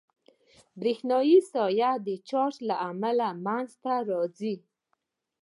برېښنایي ساحه د چارج له امله منځته راځي.